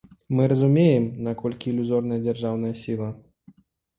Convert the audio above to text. Мы разумеем, наколькі ілюзорная дзяржаўная сіла.